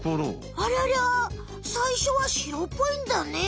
ありゃりゃさいしょはしろっぽいんだね。